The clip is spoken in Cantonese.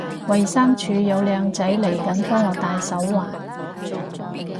衛生署有靚仔嚟緊幫我戴手環